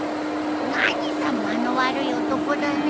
何さ間の悪い男だね。